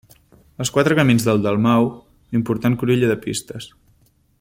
Els Quatre Camins del Dalmau, important cruïlla de pistes.